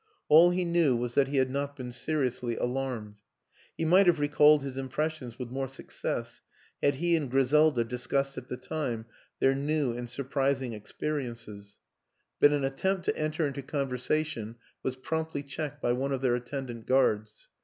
All he knew was that he had not been seriously alarmed. ... He might have recalled his impressions with more success had he and Griselda discussed at the time their new and surprising experiences; but an at WILLIAM AN ENGLISHMAN 101 tempt to enter into conversation was promptly checked by one of their attendant guards.